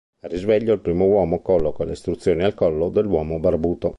Al risveglio, il primo uomo colloca le istruzioni al collo dell'uomo barbuto.